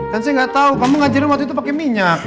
kan saya nggak tahu kamu ngajarin waktu itu pakai minyak